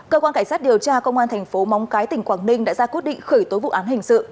cơ quan cảnh sát điều tra công an thành phố móng cái tỉnh quảng ninh đã ra quyết định khởi tố vụ án hình sự